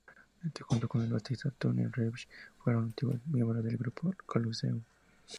Éste, junto con el bajista Tony Reeves, fueron antiguos miembros del grupo Colosseum.